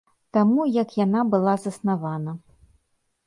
Таму як яна была заснавана.